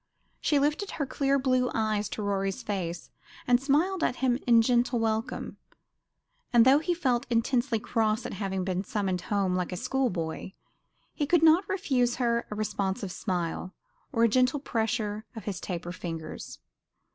She lifted her clear blue eyes to Rorie's face, and smiled at him in gentle welcome; and though he felt intensely cross at having been summoned home like a school boy, he could not refuse her a responsive smile, or a gentle pressure of the taper fingers.